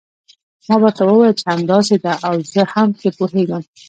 ما ورته وویل چې همداسې ده او زه هم پرې پوهیږم.